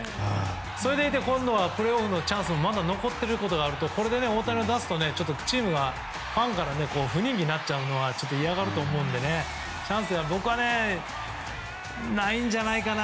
それでいて今度はプレーオフのチャンスがまだ残っているとなるとこれで大谷を出すとチームやファンから不人気になっちゃうのは嫌がると思うのでチャンスが僕は、ないんじゃないかな。